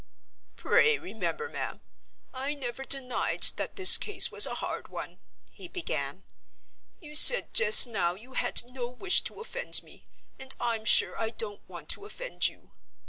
"Pray remember, ma'am, I never denied that this case was a hard one," he began. "You said just now you had no wish to offend me—and I'm sure I don't want to offend you.